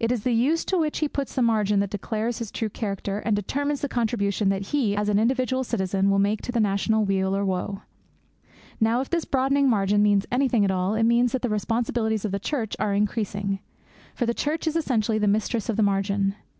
It is the use to which he puts that margin that declares his true character and determines the contribution that he, as an individual citizen, will make to the national weal or woe. Now, if this broadening margin means anything at all, it means that the responsibilities of the Church are increasing. For the Church is essentially the Mistress of the Margin.